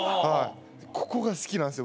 ここが好きなんですよ